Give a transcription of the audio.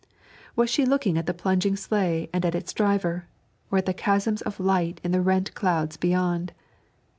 Was she looking at the plunging sleigh and at its driver, or at the chasms of light in the rent cloud beyond?